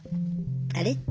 「あれ？